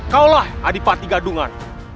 kau adalah adipati gadungan